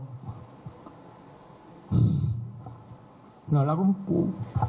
เรารับหลวงปู่